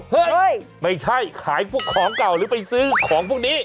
เฮ้ยไม่ใช่ขายพวกของเก่าหรือไปซื้อของพวกนี้